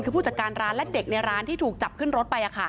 คือผู้จัดการร้านและเด็กในร้านที่ถูกจับขึ้นรถไป